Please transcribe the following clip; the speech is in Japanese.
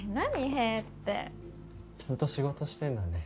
「へえ」ってちゃんと仕事してんだね